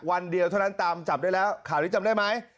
วันเดียวเท่านั้นตามจับได้แล้วข่าวนี้จำได้ไหม